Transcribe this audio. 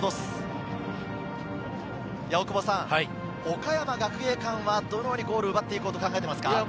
岡山学芸館はどのようにゴールを奪って行こうと考えていますか？